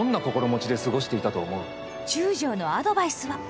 中将のアドバイスは。